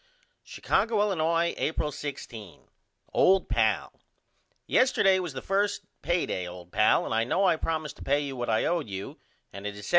Chicago, Illinois, April 16. OLD PAL: Yesterday was the 1st pay day old pal and I know I promised to pay you what I owe you and it is $75.